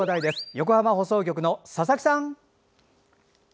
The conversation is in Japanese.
横浜放送局の佐々木さん！